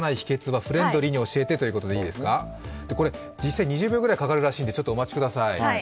実際２０秒ぐらいかかるらしいので、お待ちください。